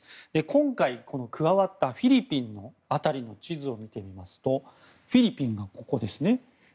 今回、加わったフィリピンの辺りの地図を見てみますとフィリピンがここですね。